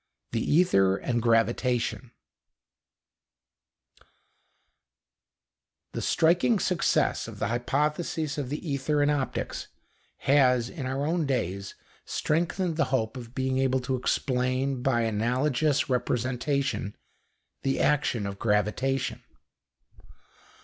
THE ETHER AND GRAVITATION The striking success of the hypothesis of the ether in optics has, in our own days, strengthened the hope of being able to explain, by an analogous representation, the action of gravitation.